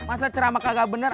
masalah ceramah tidak benar